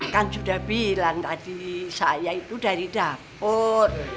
kan sudah bilang tadi saya itu dari dapur